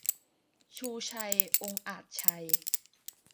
ชูชัย องอาจชัย